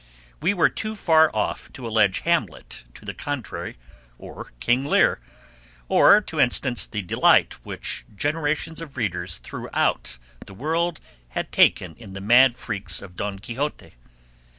We were too far off to allege Hamlet to the contrary, or King Lear, or to instance the delight which generations of readers throughout the world had taken in the mad freaks of Don Quixote.